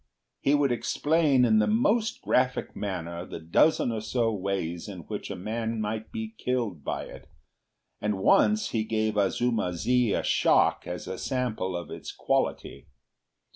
He would explain in the most graphic manner the dozen or so ways in which a man might be killed by it, and once he gave Azuma zi a shock as a sample of its quality.